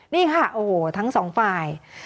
นี่ค่ะโอ้โหทั้งสองฝ่าย